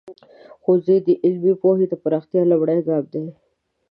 ښوونځی د علمي پوهې د پراختیا لومړنی ګام دی.